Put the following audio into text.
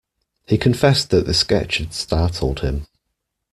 He confessed that the sketch had startled him.